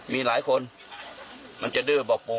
มีหลายคนมันจะดื้อบอกปู